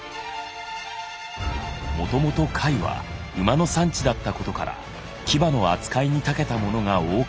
もともと甲斐は馬の産地だったことから騎馬の扱いにたけた者が多かった。